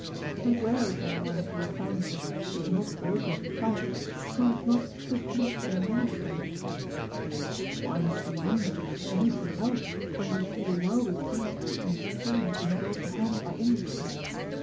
And where is there one to be found which, if not broken betimes, proves not stiff necked and unmanage able ? Yea, why need we wonder at any thing else when we see the wildest beasts made tame and brought to hand by industry?